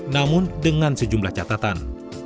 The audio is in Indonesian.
namun dengan sejumlah catatan